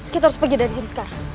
kita harus pergi dari sini sekarang